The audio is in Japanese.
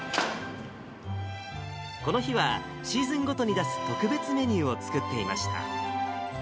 この日は、シーズンごとに出す特別メニューを作っていました。